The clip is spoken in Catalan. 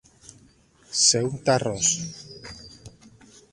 Ser un terròs.